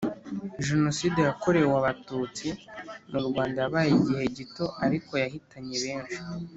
Jenoside yakorewe abatusti mu Rwanda yabaye igihe gito ariko yahitanye benshi